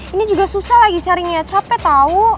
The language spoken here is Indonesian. ini juga susah lagi carinya capek tau